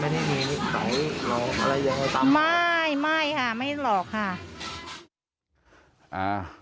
แกไม่ได้มีใครหลอกอะไรยังไงตามไม่ค่ะไม่หลอกค่ะ